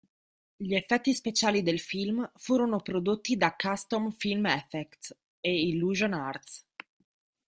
Gli effetti speciali del film furono prodotti da "Custom Film Effects" e "Illusion Arts".